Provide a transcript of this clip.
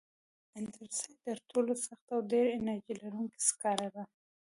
انترسایت تر ټولو سخت او ډېر انرژي لرونکی سکاره دي.